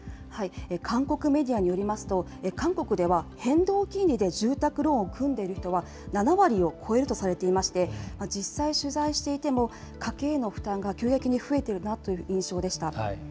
韓国メディアによりますと、韓国では、変動金利で住宅ローンを組んでいる人は７割を超えるとされていまして、実際取材していても、家計への負担が急激に増えているなという印象でした。